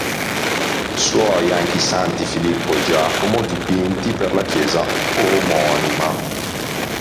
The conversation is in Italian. Suoi anche i Santi Filippo e Giacomo dipinti per la chiesa omonima.